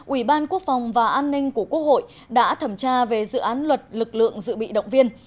ủy ban quốc phòng và an ninh của quốc hội đã thẩm tra về dự án luật lực lượng dự bị động viên